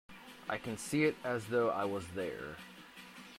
I can see it as though I was there.